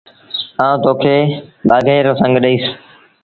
آئوٚݩ تو کي ٻآگھيٚ رو سنڱ ڏئيٚس ۔